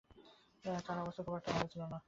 তার অবস্থা খুব একটা ভালো ছিল না।